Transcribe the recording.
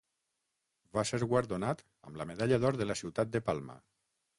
Va ser guardonat amb la Medalla d'Or de la Ciutat de Palma.